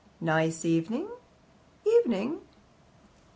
"Nice evening." "Evening."